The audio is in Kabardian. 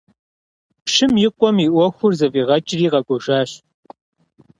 Пщым и къуэми и Ӏуэхур зыфӀигъэкӀри къэкӀуэжащ.